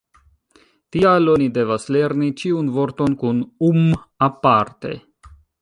Tial oni devas lerni ĉiun vorton kun -um- aparte.